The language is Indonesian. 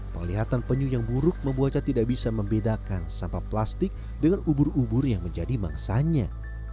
penglihatan penyu yang buruk membuatnya tidak bisa membedakan sampah plastik dengan ubur ubur yang menjadi mangsanya